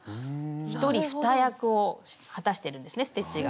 一人二役を果たしてるんですねステッチが。